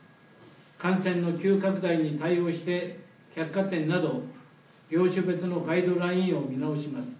感染の急拡大に対応して、百貨店など業種別のガイドラインを見直します。